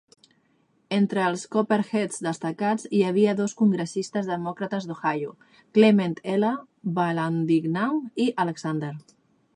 Entre els Copperheads destacats hi havia dos congressistes demòcrates d'Ohio: Clement L. Vallandigham i Alexander Long.